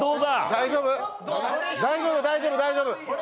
大丈夫大丈夫大丈夫！